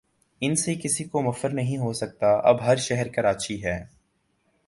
ان سے کسی کو مفر نہیں ہو سکتا اب ہر شہر کراچی ہے۔